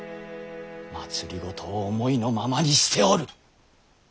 政を思いのままにしておる。